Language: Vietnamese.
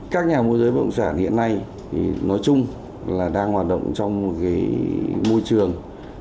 các nhà môi giới bất động sản hiện nay nói chung là đang hoạt động trong môi trường